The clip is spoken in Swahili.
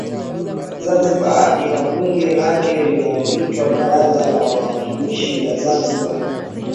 Zanzibar ina bunge lake linaloitwa Baraza la Wawakilishi la Zanzibar